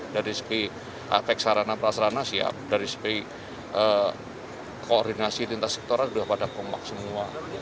dari segi aspek sarana prasarana siap dari segi koordinasi lintas sektoral sudah pada kompak semua